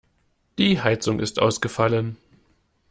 Die Heizung ist ausgefallen.